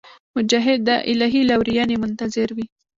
مجاهد د الهي لورینې منتظر وي.